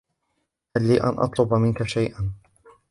هل لي أن يطلب منك شيئا ؟